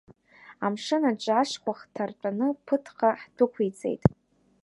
Амшын аҿы ашхәа ҳҭартәаны, Ԥыҭҟа ҳдәықәиҵеит.